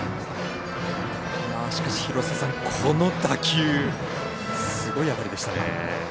しかし、この打球すごい当たりでしたね。